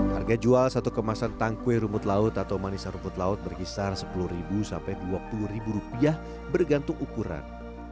harga jual satu kemasan tangkwe rumput laut atau manisan rumput laut berkisar sepuluh sampai rp dua puluh rupiah bergantung ukuran